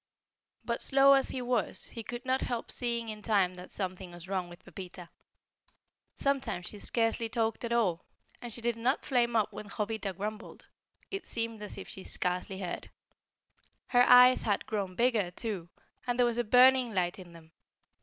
But slow as he was, he could not help seeing in time that something was wrong with Pepita. Sometimes she scarcely talked at all, and she did not flame up when Jovita grumbled; it seemed as if she scarcely heard. Her eyes had grown bigger, too, and there was a burning light in them.